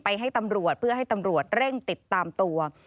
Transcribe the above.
ให้ตำรวจเพื่อให้ตำรวจเร่งติดตามตัว